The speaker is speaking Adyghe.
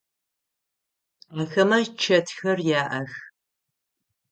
Ахэмэ чэтхэр яӏэх.